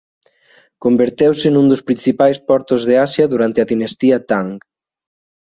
Converteuse nun dos principais portos de Asia durante a dinastía Tang.